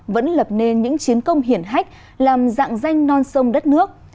vẫn lập nên những chiến công hiển hách làm dạng danh non sông đất nước